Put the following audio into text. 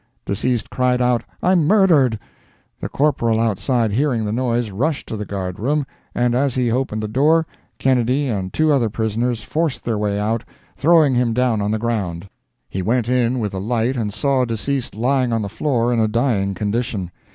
Deceased cried out, "I'm murdered." The corporal outside hearing the noise, rushed to the guard room, and as he opened the door, Kennedy and two other prisoners forced their way out, throwing him down on the ground. He went in with a light and saw deceased lying on the floor in a dying condition.